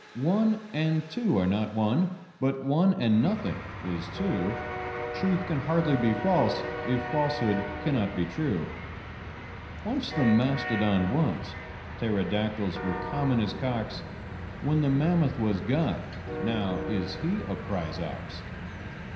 One and two are not one: but one and nothing is two: Truth can hardly be false, if falsehood cannot be true. Once the mastodon was: pterodactyls were common as cocks: Then the mammoth was God: now is He a prize ox.